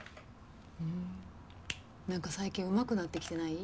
なんか最近上手くなってきてない？